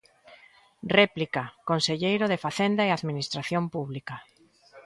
Réplica, conselleiro de Facenda e Administración Pública.